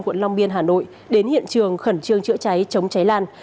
quận long biên hà nội đến hiện trường khẩn trương chữa cháy chống cháy lan